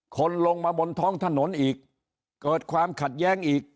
คนลงมาบนท้องถนนอีกเกิดความขัดแย้งอีก